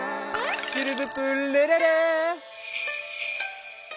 シルヴプレレレ！